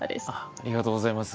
ありがとうございます。